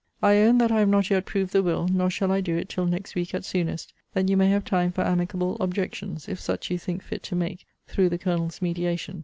I own that I have not yet proved the will; nor shall I do it till next week at soonest, that you may have time for amicable objections, if such you think fit to make through the Colonel's mediation.